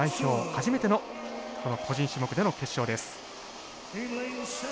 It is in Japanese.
初めてのこの個人種目での決勝です。